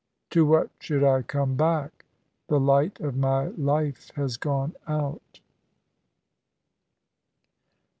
"To what should I come back? The light of my life has gone out."